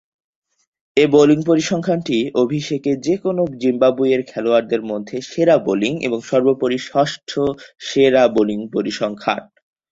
এ bowling পরিসংখ্যানটি অভিষেকে যে-কোন জিম্বাবুয়ের খেলোয়াড়দের মধ্যে সেরা বোলিং ও সর্বোপরি ষষ্ঠ সেরা বোলিং পরিসংখ্যান।